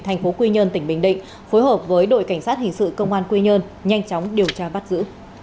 thành phố quy nhơn tỉnh bình định phối hợp với đội cảnh sát hình sự công an quy nhơn nhanh chóng điều tra bắt giữ